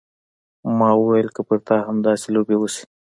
ما وويل که پر تا همداسې لوبې وشي.